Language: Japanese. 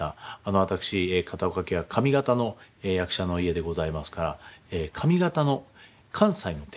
私片岡家は上方の役者の家でございますから上方の関西の手なんです。